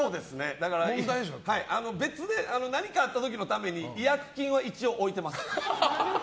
だから何かあった時のために違約金は一応置いてます。